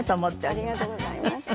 ありがとうございます。